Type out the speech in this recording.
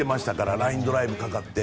ラインドライブかかって。